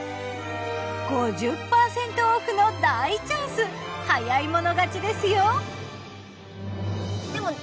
５０％オフの大チャンス早い者勝ちですよ！